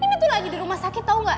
ini tuh lagi di rumah sakit tau gak